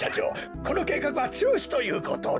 このけいかくはちゅうしということで。